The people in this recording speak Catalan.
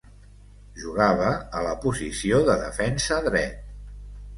Jugava a la posició de defensa dret.